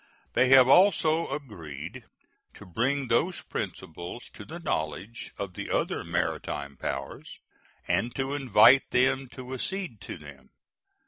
They have also agreed to bring those principles to the knowledge of the other maritime powers and to invite them to accede to them.